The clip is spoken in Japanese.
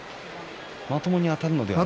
まともにあたるのではなく？